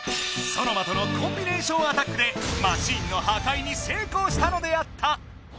ソノマとのコンビネーションアタックでマシンのはかいにせいこうしたのであった。